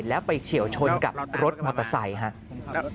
แล้วไปเฉียวชนกับรถมอเตอร์ไซค์ครับ